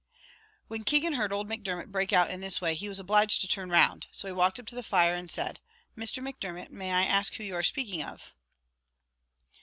When Keegan heard old Macdermot break out in this way, he was obliged to turn round: so he walked up to the fire, and said, "Mr. Macdermot, may I ask who you are speaking of?"